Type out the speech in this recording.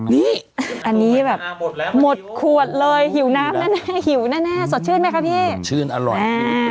นี่อันนี้แบบหมดขวดเลยหิวน้ำแน่หิวแน่สดชื่นไหมคะพี่ชื่นอร่อย